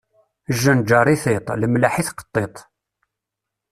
Jjenjaṛ i tiṭ, lemleḥ i tqeṭṭiṭ.